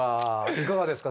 いかがですか？